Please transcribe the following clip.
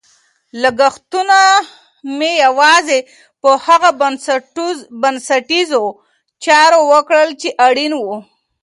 لګښتونه مې یوازې په هغو بنسټیزو چارو وکړل چې اړین وو.